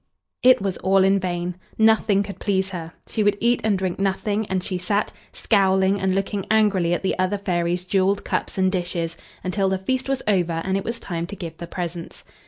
It was all in vain. Nothing could please her; she would eat and drink nothing, and she sat, scowling and looking angrily at the other fairies' jeweled cups and dishes, until the feast was over, and it was time to give the presents.